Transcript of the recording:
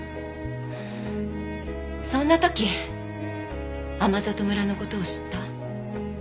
そんな時天郷村の事を知った。